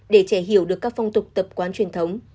để trẻ hiểu được các phong tục tập quán truyền thống